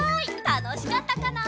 たのしかったかな？